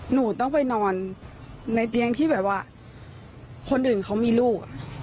หนูต้องไปนอนในเตียงที่แบบว่าคนอื่นเขามีลูก